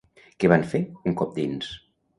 Què van fer, un cop dins?